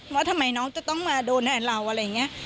ว่าทำไมน้องจะต้องมาโดนแทนเราอะไรอย่างนี้